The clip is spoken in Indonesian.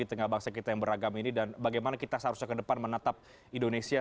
di tengah bangsa kita yang beragam ini dan bagaimana kita seharusnya ke depan menatap indonesia